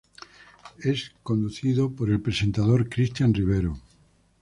Es conducido por el presentador Cristian Rivero.